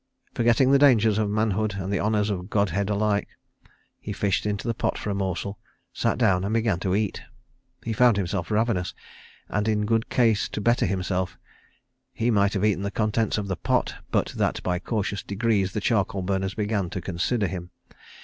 Forgetting the dangers of manhood and the honours of godhead alike, he fished in the pot for a morsel, sat down and began to eat. He found himself ravenous, and in good case to better himself; he might have eaten the contents of the pot, but that by cautious degrees the charcoal burners began to consider him.